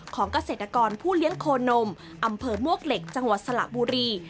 เกษตรกรผู้เลี้ยงโคนมอำเภอมวกเหล็กจังหวัดสระบุรี